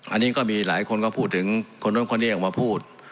อันนี้ก็มีหลายคนก็พูดถึงคนนู้นคนนี้ออกมาพูด